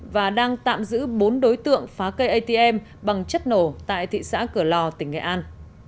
và đang tạm giữ bốn đối tượng phá cây atm bằng chất nổ tại thị xã cửa lò tỉnh nghệ an